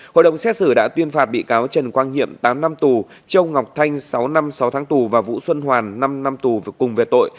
hội đồng xét xử đã tuyên phạt bị cáo trần quang hiệm tám năm tù châu ngọc thanh sáu năm sáu tháng tù và vũ xuân hoàn năm năm tù cùng về tội